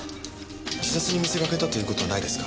自殺に見せかけたという事はないですか？